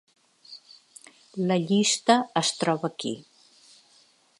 La llista es troba aquí.